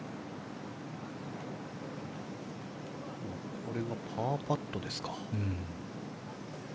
これがパーパットですか。